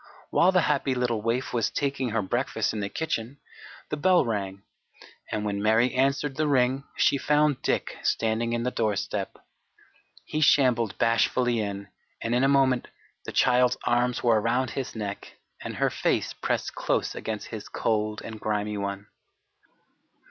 While the happy little waif was taking her breakfast in the kitchen the bell rang, and when Mary answered the ring she found Dick standing in the doorstep. He shambled bashfully in, and in a moment the child's arms were around his neck and her face pressed close against his cold and grimy one.